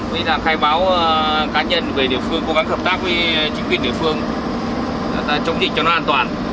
vì là khai báo cá nhân về địa phương cố gắng hợp tác với chính quyền địa phương để ta chống dịch cho nó an toàn